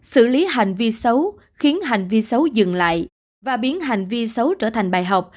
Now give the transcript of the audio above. xử lý hành vi xấu khiến hành vi xấu dừng lại và biến hành vi xấu trở thành bài học